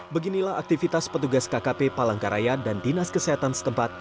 beginilah aktivitas petugas kkp palangkaraya dan dinas kesehatan setempat